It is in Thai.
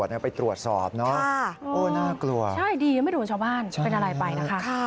หล่างกล่วง